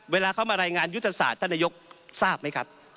เวลาเขามารายงานยุทธศาสตร์ท่านนายกทราบไหมครับ